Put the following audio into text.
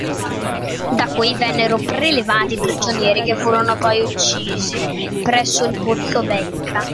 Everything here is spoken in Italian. Da qui vennero prelevati i prigionieri che furono poi uccisi presso il pozzo Becca.